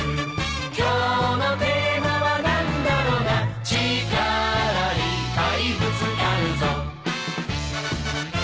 「今日のテーマは何だろな力いっぱいぶつかるぞ」